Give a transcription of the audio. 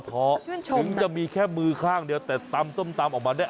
ชื่นชมนะถึงจะมีแค่มือข้างเดียวแต่ตำส้มตำออกมาได้อร่อย